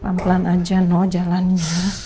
pelan pelan aja no jalannya